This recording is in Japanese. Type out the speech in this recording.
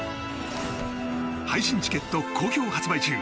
配信チケット好評発売中。